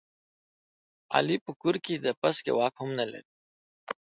علي په کور کې د پسکې واک هم نه لري.